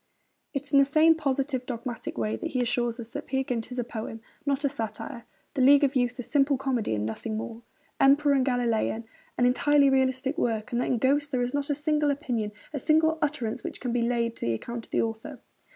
It is in the same positive, dogmatic way that he assures us that Peer Gynt is a poem, not a satire; The League of Youth a 'simple comedy and nothing more'; Emperor and Galilean an 'entirely realistic work'; that in Ghosts 'there is not a single opinion, a single utterance which can be laid to the account of the author....